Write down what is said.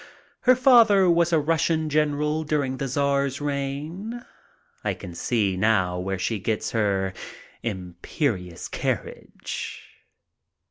Her father was a Russian general during the Czar's reign. I can see now where she gets her imperious carriage.